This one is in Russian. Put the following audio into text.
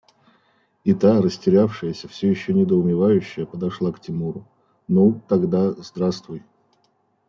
И та, растерявшаяся, все еще недоумевающая, подошла к Тимуру: – Ну… тогда здравствуй…